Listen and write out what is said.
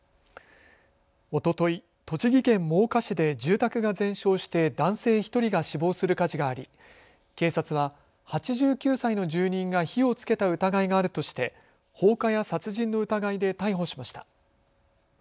おととい、栃木県真岡市で住宅が全焼して男性１人が死亡する火事があり警察は８９歳の住人が火をつけた疑いがあるとして放火や殺人の疑いで逮捕しました。